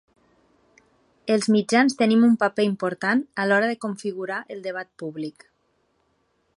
Els mitjans tenim un paper important a l’hora de configurar el debat públic.